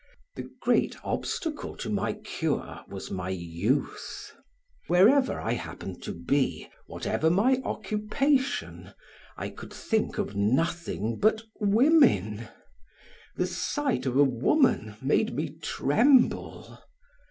The great obstacle to my cure was my youth. Wherever I happened to be, whatever my occupation, I could think of nothing but women; the sight of a woman made me tremble.